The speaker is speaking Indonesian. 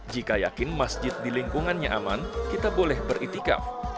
jika yakin masjid di lingkungannya aman kita boleh beritikaf